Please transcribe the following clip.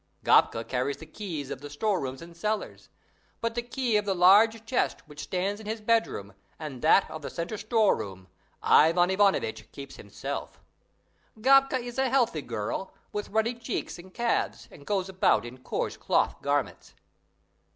Gapka carries the keys of the storerooms and cellars; but the key of the large chest which stands in his bedroom, and that of the centre storeroom, Ivan Ivanovitch keeps himself; Gapka is a healthy girl, with ruddy cheeks and calves, and goes about in coarse cloth garments.